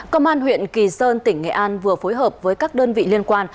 công an huyện kỳ sơn tỉnh nghệ an vừa phối hợp với các đơn vị liên quan